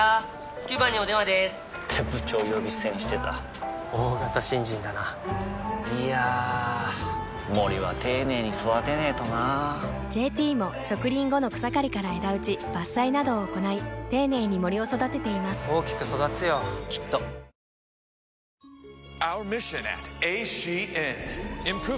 ９番にお電話でーす！って部長呼び捨てにしてた大型新人だないやー森は丁寧に育てないとな「ＪＴ」も植林後の草刈りから枝打ち伐採などを行い丁寧に森を育てています大きく育つよきっと鈴木聡美、３２歳が見事、決勝進出！